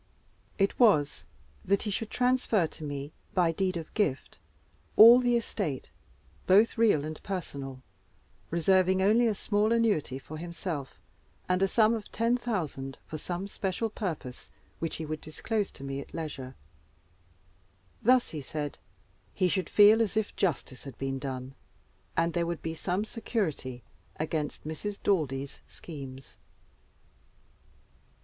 It was, that he should transfer to me, by deed of gift, all the estate, both real and personal, reserving only a small annuity for himself, and a sum of 10,000*l.* for some special purpose, which he would disclose to me at leisure. Thus, he said, he should feel as if justice had been done, and there would be some security against Mrs. Daldy's schemes.